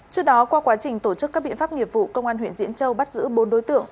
trước đó qua quá trình tổ chức các biện pháp nghiệp vụ công an huyện diễn châu bắt giữ bốn đối tượng